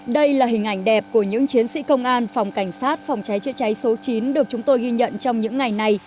đây là hình ảnh đẹp của những chiến sĩ công an phòng cảnh sát phòng cháy chữa cháy số chín được chúng tôi ghi nhận trong những ngày này